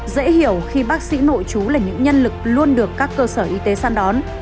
dễ hiểu khi bác sĩ nội chú là những nhân lực luôn được các cơ sở y tế săn đón